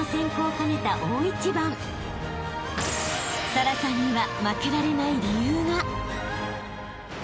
［沙羅さんには］